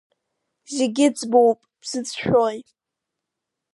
Зегьы ӡбоуп, бзыцәшәои?